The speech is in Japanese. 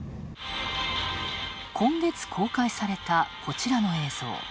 今月公開されたこちらの映像。